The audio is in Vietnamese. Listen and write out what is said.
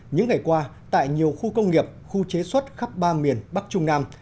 những ngày qua tại nhiều khu công nghiệp khu chế xuất khắp ba miền bắc trung nam